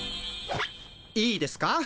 いいですか？